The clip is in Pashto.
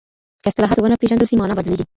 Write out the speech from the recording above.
که اصطلاحات ونه پېژندل سي مانا بدليږي.